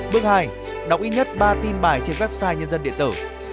bước hai đọc ít nhất ba tin bài trên website nhân dân điện tử